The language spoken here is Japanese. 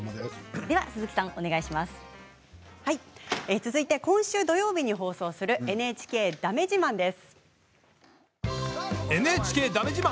続いて今週土曜日に放送される「ＮＨＫだめ自慢」です。